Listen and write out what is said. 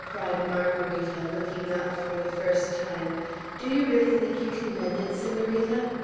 cried Margarita, looking up for the first time. "Do you really think you can mend it, Senorita?